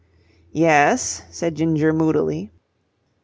"Yes?" said Ginger moodily.